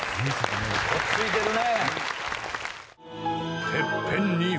落ち着いてるね。